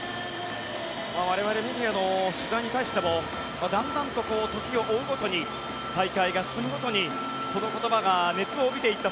我々メディアの取材に対してもだんだんと時を追うごとに大会が進むごとにその言葉が熱を帯びていった